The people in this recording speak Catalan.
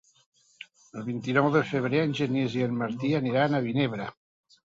El vint-i-nou de febrer en Genís i en Martí aniran a Vinebre.